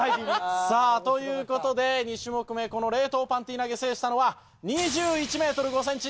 さあという事で２種目めこの冷凍パンティ投げ制したのは２１メートル５センチ